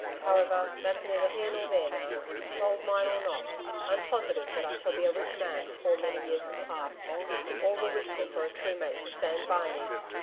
However, that's neither here nor there, now. Gold mine or not, I'm positive that I shall be a rich man before many years have passed all the richer for a true mate to stand by me.'